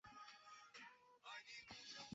该书的改编电影由执导和编剧。